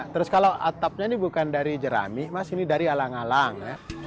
terus kalau atapnya ini bukan dari jerami mas ini dari alang alang ya